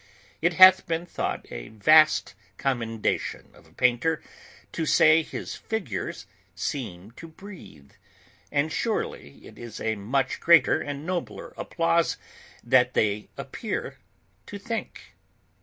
It hath been thought a vast commendation of a painter to say his figures seem to breathe; but surely it is a much greater and nobler applause, that they appear to think.